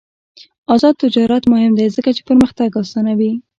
آزاد تجارت مهم دی ځکه چې پرمختګ اسانوي.